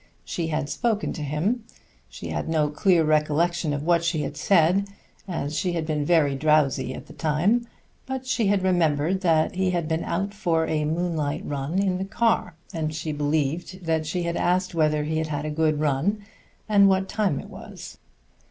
She had spoken to him. She had no clear recollection of what she had said, as she had been very drowsy at the time; but she had remembered that he had been out for a moonlight run in the car, and she believed she had asked whether he had had a good run, and what time it was.